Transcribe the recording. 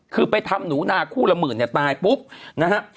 คือไปทำหนูนาคู่ละหมื่นเนี่ยตายปุ๊บนะฮะ